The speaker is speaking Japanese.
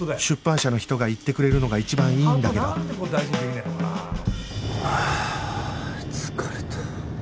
出版社の人が言ってくれるのが一番いいんだけどはあ疲れた。